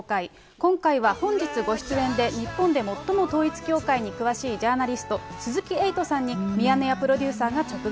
今回は本日ご出演で、日本で最も統一教会に詳しいジャーナリスト、鈴木エイトさんに、ミヤネ屋プロデューサーが直撃。